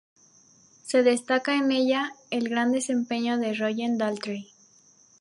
Se destaca en ella, el gran desempeño de Roger Daltrey.